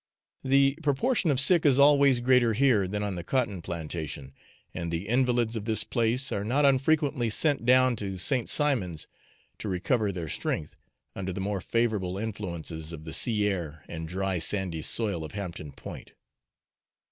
The proportion of sick is always greater here than on the cotton plantation, and the invalids of this place are not unfrequently sent down to St. Simon's to recover their strength, under the more favourable influences of the sea air and dry sandy soil of Hampton Point.